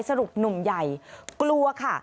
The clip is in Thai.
สรุปหนุ่มใหญ่กลัวค่ะ